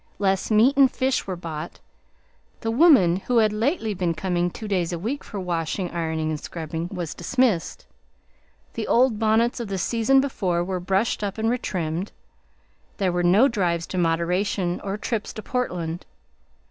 Less meat and fish were bought; the woman who had lately been coming two days a week for washing, ironing, and scrubbing was dismissed; the old bonnets of the season before were brushed up and retrimmed; there were no drives to Moderation or trips to Portland.